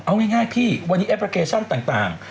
เอาง่ายพี่วันนี้แอปพลิเคชันต่าง